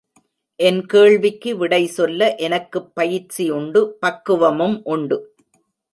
என் கேள்விக்கு விடை சொல்ல எனக்குப் பயிற்சியுண்டு பக்குவமும் உண்டு.